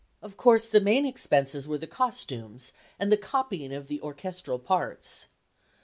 Of course the main expenses were the costumes and the copying of the orchestral parts.